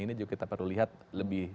ini juga kita perlu lihat lebih